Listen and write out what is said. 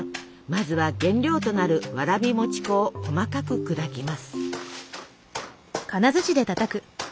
まずは原料となるわらび餅粉を細かく砕きます。